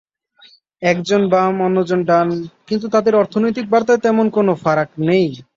একজন বাম, অন্যজন ডান, কিন্তু তাঁদের অর্থনৈতিক বার্তায় তেমন কোনো ফারাক নেই।